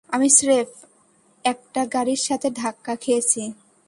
আমি স্রেফ, একটা গাড়ির সাথে ধাক্কা খেয়েছি।